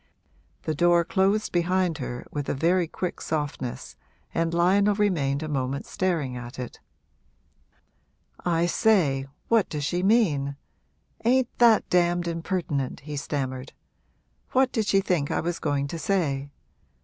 The door closed behind her with a very quick softness and Lionel remained a moment staring at it. 'I say, what does she mean? ain't that damned impertinent?' he stammered. 'What did she think I was going to say?